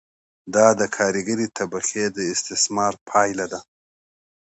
دا د کارګرې طبقې د استثمار پایله ده